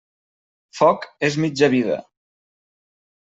Foc és mitja vida.